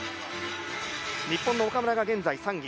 日本の岡村が現在３位。